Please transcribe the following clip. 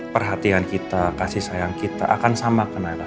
perhatian kita kasih sayang kita akan sama ke nailah